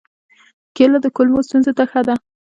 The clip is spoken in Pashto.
کېله د کولمو ستونزو ته ښه ده.